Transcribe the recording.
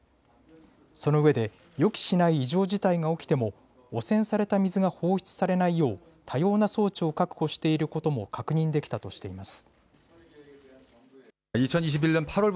そのうえで予期しない異常事態が起きても汚染された水が放出されないよう多様な装置を確保していることも確認できたとしています。